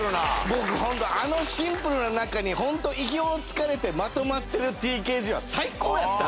僕ホントあのシンプルな中に意表を突かれてまとまってるＴＫＧは最高やった！